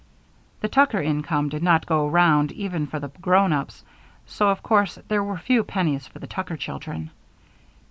The Tucker income did not go round even for the grown ups, so of course there were few pennies for the Tucker children.